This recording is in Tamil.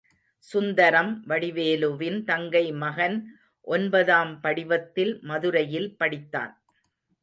சுந்தரம் வடிவேலுவின் தங்கை மகன் ஒன்பதாம் படிவத்தில் மதுரையில் படித்தான்.